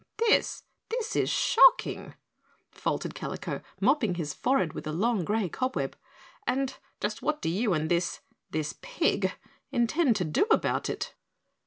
"This this is shocking!" faltered Kalico, mopping his forehead with a long gray cobweb, "and just what do you and this this pig intend to do about it?"